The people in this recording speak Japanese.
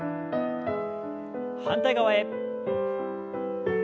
反対側へ。